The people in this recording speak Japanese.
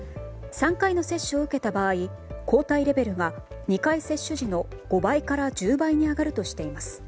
３回の接種を受けた場合抗体レベルが２回接種時の５倍から１０倍に上がるとしています。